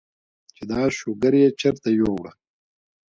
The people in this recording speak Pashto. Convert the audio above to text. چې دا شوګر ئې چرته يوړۀ ؟